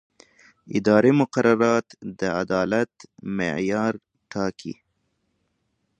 اداري مقررات د عدالت معیار ټاکي.